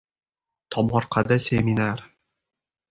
Tomorqada seminar